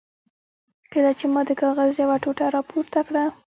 کله چې ما د کاغذ یوه ټوټه را پورته کړه.